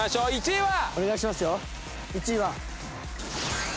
１位は。